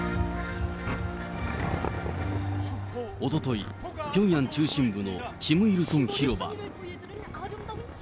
おととい、ピョンヤン中心部のキム・イルソン広場。